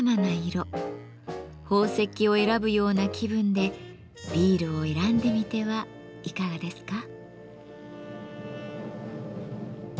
宝石を選ぶような気分でビールを選んでみてはいかがですか？